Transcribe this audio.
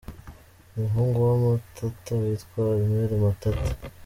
Umuhungu wa Matata witwa Armel Matata